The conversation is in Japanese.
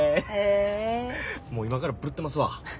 もう今からブルッてますわ。